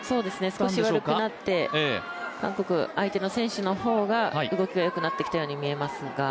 少し悪くなって韓国、相手の選手の方が動きはよくなってきたように見えますが。